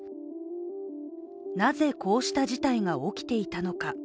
なぜ、こうした事態が起きていたのか。